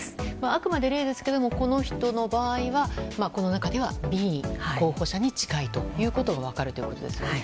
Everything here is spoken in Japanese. あくまで例ですけどこの人の場合はこの中ではＢ候補者に近いということが分かるということですよね。